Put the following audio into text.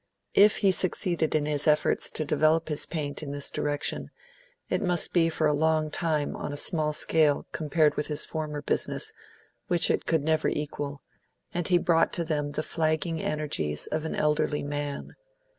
If he succeeded in his efforts to develop his paint in this direction, it must be for a long time on a small scale compared with his former business, which it could never equal, and he brought to them the flagging energies of an elderly man.